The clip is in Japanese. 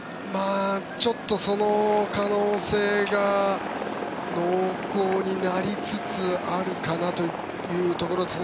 ちょっとその可能性が濃厚になりつつあるかなというところですね。